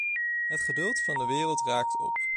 Het geduld van de wereld raakt op.